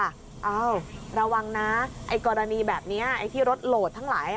อ้าวระวังนะกรณีแบบนี้ที่รถโหลดทั้งหลาย